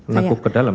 nekuk ke dalam